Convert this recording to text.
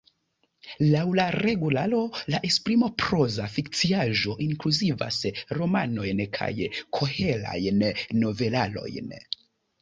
Laŭ la regularo, la esprimo proza fikciaĵo inkluzivas romanojn kaj koherajn novelarojn.